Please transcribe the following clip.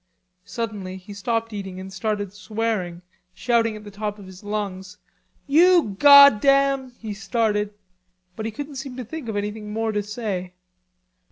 Suddenly he stopped eating and started swearing, shouting at the top of his lungs: "You goddam..." he started, but he couldn't seem to think of anything more to say.